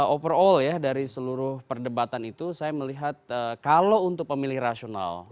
overall ya dari seluruh perdebatan itu saya melihat kalau untuk pemilih rasional